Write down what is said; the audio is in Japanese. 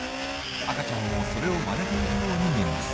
赤ちゃんもそれをまねているように見えます。